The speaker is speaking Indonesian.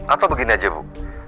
atau begini aja bu